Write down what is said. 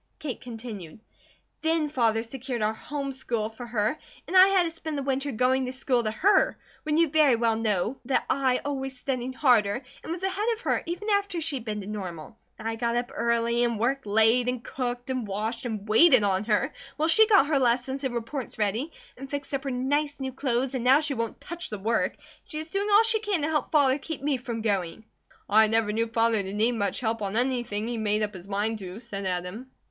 Kate continued: "Then Father secured our home school for her and I had to spend the winter going to school to her, when you very well know that I always studied harder, and was ahead of her, even after she'd been to Normal. And I got up early and worked late, and cooked, and washed, and waited on her, while she got her lessons and reports ready, and fixed up her nice new clothes, and now she won't touch the work, and she is doing all she can to help Father keep me from going." "I never knew Father to need much help on anything he made up his mind to," said Adam.